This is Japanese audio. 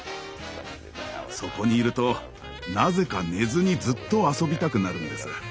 そこにいるとなぜか寝ずにずっと遊びたくなるんです。